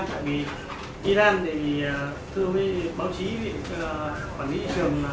tại vì iran thì thưa quý vị báo chí quản lý trường là